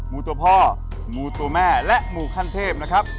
ูตัวพ่อมูตัวแม่และมูขั้นเทพนะครับ